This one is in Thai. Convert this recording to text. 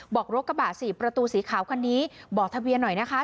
บอกรถกระบะสี่ประตูสีขาวคันนี้บอกทะเบียนหน่อยนะคะ